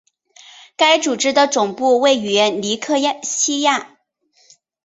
该组织的总部位于尼科西亚。